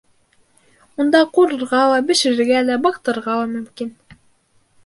Унда ҡурырға ла, бешерергә лә, быҡтырырға ла мөмкин